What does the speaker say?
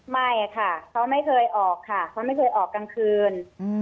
ไม่ค่ะเขาไม่เคยออกค่ะเขาไม่เคยออกกลางคืน